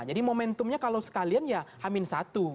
jadi momentumnya kalau sekalian ya hamil satu